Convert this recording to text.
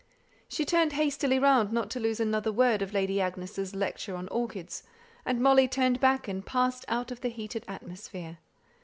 She turned hastily round not to lose another word of Lady Agnes' lecture on orchids, and Molly turned back and passed out of the heated atmosphere.